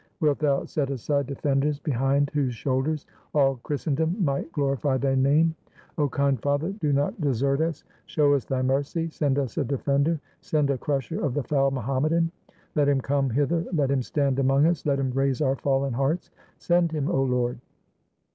Wilt Thou set aside defenders behind whose shoulders all Christen dom might glorify Thy name? 0 kind Father, do not 146 THE SURRENDER OF KAMENYETZ desert us! Show us Thy mercy ! Send us a defender! Send a crusher of the foul Mohammedan! Let him come hither ; let him stand among us ; let him raise our fallen hearts! Send him, 0 Lord!"